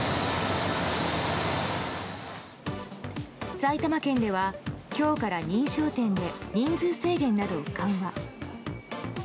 埼玉県では今日から認証店で人数制限などを緩和。